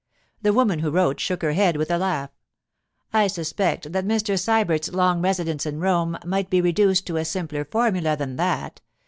The woman who wrote shook her head, with a laugh. 'I suspect that Mr. Sybert's long residence in Rome might be reduced to a simpler formula than that.